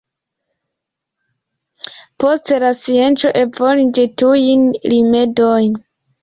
Poste la scienco evoluigis tiujn rimedojn.